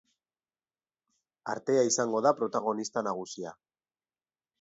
Artea izango da protagonista nagusia.